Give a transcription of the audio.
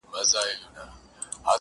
• ه چیري یې د کومو غرونو باد دي وهي_